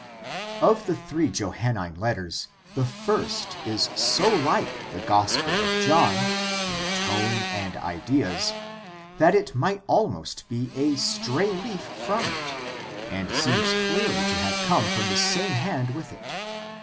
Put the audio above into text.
— Of the three Johannine letters, the first is so like the Gospel of John in tone and ideas that it might almost be a stray leaf from it, and seems clearly to have come from the same hand with it.